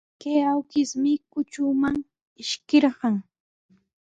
Kay awkishmi qutraman ishkirqan.